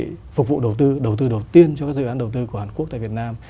để phục vụ đầu tư đầu tư đầu tiên cho các dự án đầu tư của hàn quốc tại việt nam